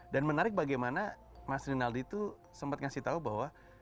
dan menarik bagaimana mas rinaldi itu sempat ngasih tahu bahwa